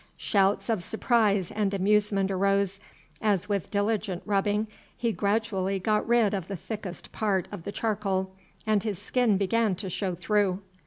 Shouts of surprise and amusement arose as with diligent rubbing he gradually got rid of the thickest part of the charcoal, and his skin began to show through.